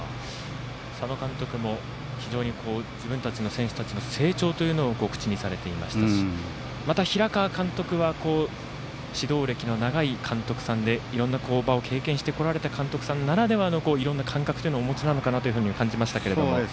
佐野監督も非常に自分たちの選手たちの成長というのを口にされていましたしまた、平川監督は指導暦の長い監督さんでいろんな場を経験してこられた監督さんのいろんな感覚というのをお持ちなのかなと感じましたけど。